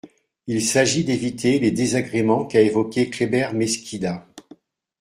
Il s’agit d’éviter les désagréments qu’a évoqués Kléber Mesquida.